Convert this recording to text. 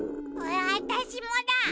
わたしもだ。